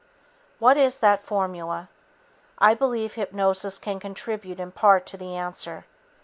What is that formula? I believe hypnosis can contribute in part to the answer.